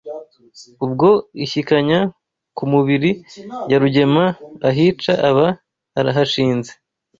Ubwo Inshyikanya ku mubiri ya Rugema ahica aba arahashinze